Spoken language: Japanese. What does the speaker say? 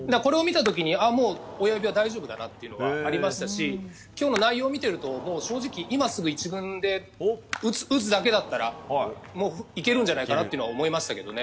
もう親指は大丈夫だなというのがありましたし今日の内容を見ていると正直今すぐ１軍で、打つだけだったらいけるんじゃないかなって思いましたけどね。